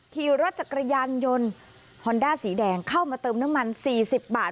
ขี่รถจักรยานยนต์ฮอนด้าสีแดงเข้ามาเติมน้ำมัน๔๐บาท